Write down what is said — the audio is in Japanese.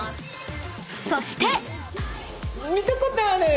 ［そして］